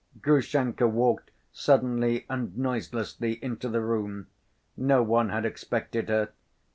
Grushenka walked suddenly and noiselessly into the room. No one had expected her.